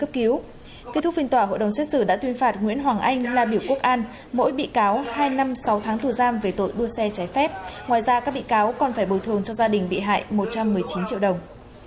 kết thúc phiên tòa hội đồng xét xử đã tuyên phạt nguyễn hoàng anh là biểu quốc an mỗi bị cáo hai năm sáu tháng tù giam về tội đua xe trái phép ngoài ra các bị cáo còn phải bồi thường cho gia đình bị hại một trăm một mươi chín triệu đồng